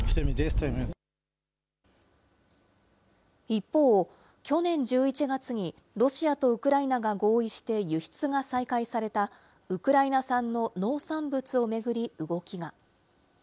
一方、去年１１月にロシアとウクライナが合意して輸出が再開されたウクライナ産の農産物を巡り、動きが。